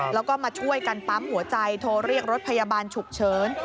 แล้วก็มาช่วยกันปั๊มหัวใจโทรเรียกรถพยาบาลฉุกเฉิน